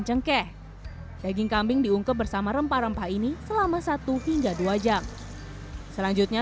cengkeh daging kambing diungkep bersama rempah rempah ini selama satu hingga dua jam selanjutnya